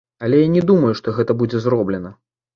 Але я не думаю, што гэта будзе зроблена.